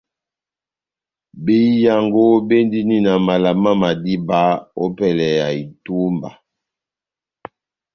Behiyango béndini na mala má madiba ópɛlɛ ya itúmba